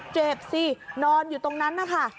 เจ็บสินอนอยู่ตรงนั้นนะคะ